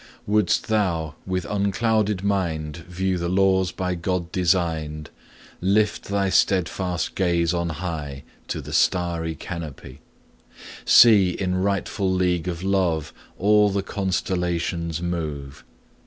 Wouldst thou with unclouded mind View the laws by God designed, Lift thy steadfast gaze on high To the starry canopy; See in rightful league of love All the constellations move.